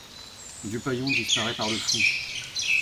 Dupaillon disparaît par le fond.